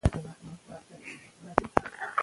چای به یخ شوی وي.